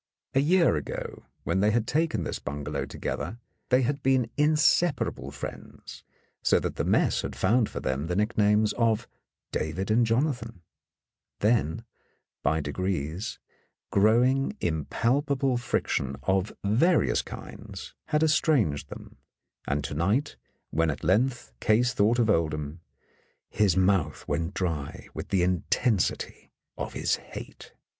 A year ago, when they had taken this bungalow together, they had been inseparable friends, so that the mess had found for them the nicknames of David and Jonathan; then, by degrees, growing impalpable friction of various kinds had estranged them, and to night, when at length Case thought of Oldham, his mouth went dry with the intensity of his hate.